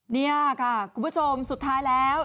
นี่ค่ะคุณผู้ชมสุดท้ายแล้ว